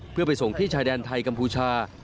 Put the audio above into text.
เพื่อไปส่งที่ชายแดนไทยกัมพูชา